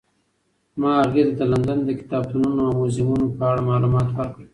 ما هغې ته د لندن د کتابتونونو او موزیمونو په اړه معلومات ورکړل.